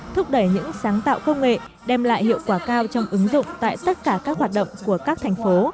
thúc đẩy những sáng tạo công nghệ đem lại hiệu quả cao trong ứng dụng tại tất cả các hoạt động của các thành phố